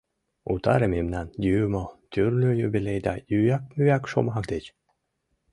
— Утаре мемнам, Юмо, тӱрлӧ юбилей да ӱяк-мӱяк шомак деч!